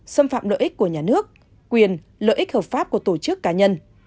xâm phạm lợi ích của nhà nước quyền lợi ích hợp pháp của tổ chức cá nhân